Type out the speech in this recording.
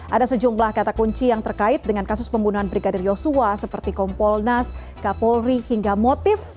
ada sejumlah kata kunci yang terkait dengan kasus pembunuhan brigadir yosua seperti kompolnas kapolri hingga motif